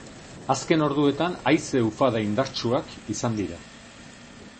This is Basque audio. Azken orduetan haize ufada indartsuak izan dira.